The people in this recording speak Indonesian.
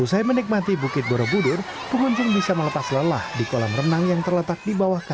usai menikmati bukit borobudur pengunjung bisa melepas lelah di kolam renang yang terletak di bawah